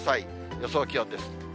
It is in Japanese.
予想気温です。